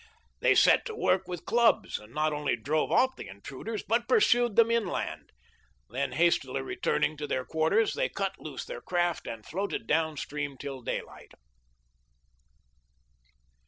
They set to work with clubs, and not only drove off the intruders, but pursued them inland, then hastily returning to their quarters they cut loose their craft and floated down stream till daylight.